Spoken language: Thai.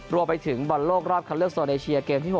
รวมไปถึงบอลโลกรอบคันเลือกโซนเอเชียเกมที่๖